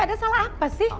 ada salah apa sih